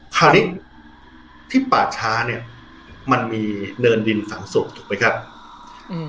คราวนี้ที่ป่าช้าเนี้ยมันมีเนินดินฝังศพถูกไหมครับอืม